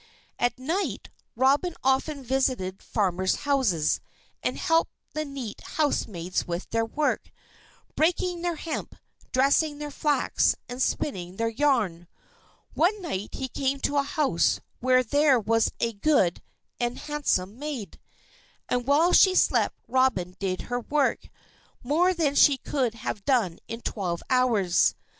At night Robin often visited farmers' houses, and helped the neat housemaids with their work, breaking their hemp, dressing their flax, and spinning their yarn. One night he came to a house where there was a good and handsome maid. And while she slept Robin did her work, more than she could have done in twelve hours.